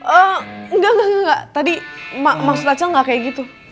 eee enggak enggak enggak tadi maksud acil gak kayak gitu